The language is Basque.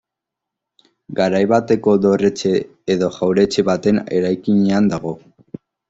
Garai bateko dorretxe edo jauretxe baten eraikinean dago.